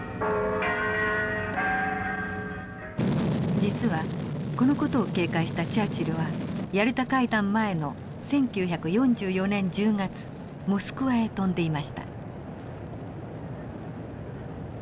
実はこの事を警戒したチャーチルはヤルタ会談前の１９４４年１０月モスクワへ飛んでいました。